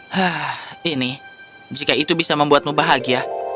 hah ini jika itu bisa membuatmu bahagia